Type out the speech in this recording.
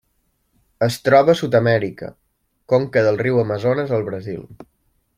Es troba a Sud-amèrica: conca del riu Amazones al Brasil.